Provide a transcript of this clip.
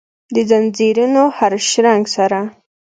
دځنځیرونو د هرشرنګ سره،